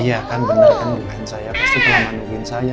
iya kan bener kan nungguin saya pasti kelamaan nungguin saya